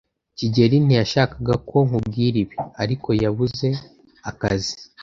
kigeli ntiyashakaga ko nkubwira ibi, ariko yabuze akazi.